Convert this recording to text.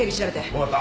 分かった。